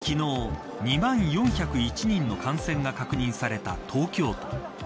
昨日２万４０１人の感染が確認された東京都。